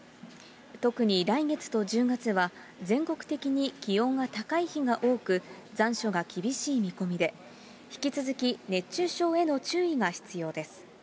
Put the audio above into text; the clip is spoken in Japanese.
特に来月と１０月は、全国的に気温が高い日が多く、残暑が厳しい見込みで、引き続き熱中症への注意が必要です。